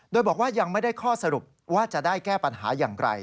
โดยบอกว่ายังไม่ได้ข้อสรุปว่าจะได้แก้ปัญหาอย่างไร